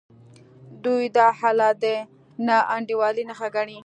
دوی دا حالت د ناانډولۍ نښه ګڼي.